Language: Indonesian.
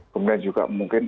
kemudian juga mungkin